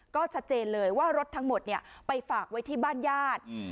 ก็ชัดเจนเลยว่ารถทั้งหมดไปฝากไว้ที่บ้านญาติ